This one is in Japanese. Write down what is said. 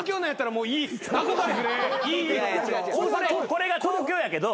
これが東京やけど。